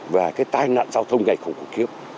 và cái tai nạn giao thông ngày không có kiếp